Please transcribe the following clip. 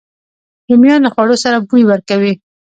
رومیان له خوړو سره بوی ورکوي